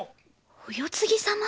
お世継ぎ様？